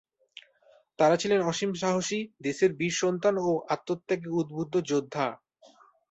তারা ছিলেন অসীম সাহসী, দেশের বীর সন্তান ও আত্মত্যাগে উদ্বুদ্ধ যোদ্ধা।